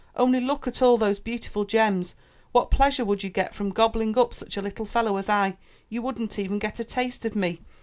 Only look at all those beautiful gems. What pleasure would you get from gobbling up such a little fallow as I? You wouldn't even get a taste of me!